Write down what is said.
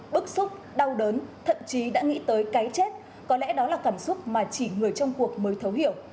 bức xúc đau đớn thậm chí đã nghĩ tới cái chết có lẽ đó là cảm xúc mà chỉ người trong cuộc mới thấu hiểu